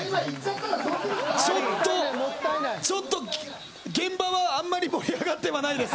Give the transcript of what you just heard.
ちょっと現場はあんまり盛り上がってはないです。